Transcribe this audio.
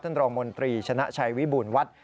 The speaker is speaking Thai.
รองมนตรีชนะชัยวิบูรณ์วัด